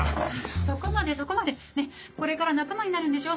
そこまでそこまでねっこれから仲間になるんでしょう？